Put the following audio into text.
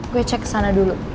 gue cek kesana dulu